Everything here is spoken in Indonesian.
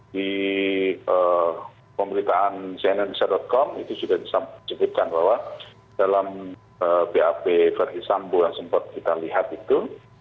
di pemerintahan cnn com itu sudah disampaikan bahwa dalam vap verdi sambu yang sempat kita lihat itu